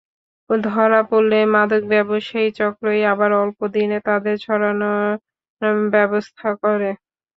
ধরা পড়লে মাদক ব্যবসায়ী চক্রই আবার অল্প দিনে তাঁদের ছাড়ানোর ব্যবস্থা করে।